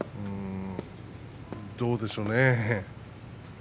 どうでしょうね。